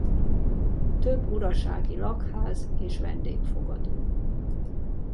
Több urasági lakház és vendégfogadó.